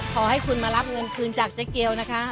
ขอให้คุณมารับเงินคืนจากเจ๊เกียวนะคะ